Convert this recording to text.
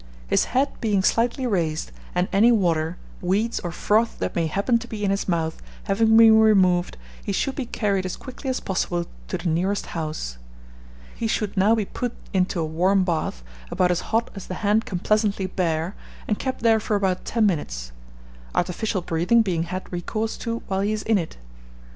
His head being slightly raised, and any water, weeds, or froth that may happen to be in his mouth, having been removed, he should be carried as quickly as possible to the nearest house. He should now be put into a warm bath, about as hot as the hand can pleasantly bear, and kept there for about ten minutes, artificial breathing being had recourse to while he is in it.